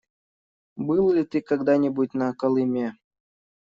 Был ли ты когда-нибудь на Колыме?